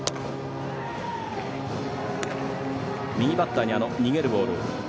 右バッターには逃げるボール。